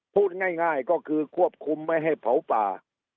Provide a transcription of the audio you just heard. พูดง่ายก็คือควบคุมไม่ให้เผาป่า